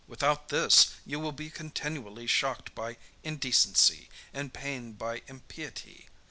Without this, you will be continually shocked by indecency, and pained by impiety.